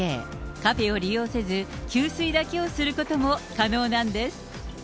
カフェを利用せず、給水だけをすることも可能なんです。